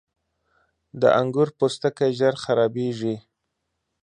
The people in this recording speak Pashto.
• د انګور پوستکی ژر خرابېږي.